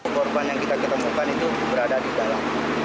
korban yang kita ketemukan itu berada di dalam